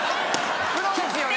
プロですよね？